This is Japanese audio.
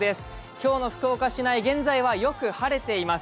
今日の福岡市内、現在はよく晴れています。